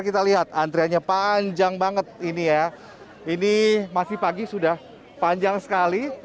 kita lihat antriannya panjang banget ini ya ini masih pagi sudah panjang sekali